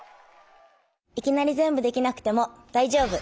いきなりぜんぶできなくてもだいじょうぶ！